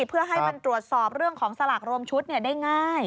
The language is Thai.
เพื่อให้มันตรวจสอบเรื่องของสลากรวมชุดได้ง่าย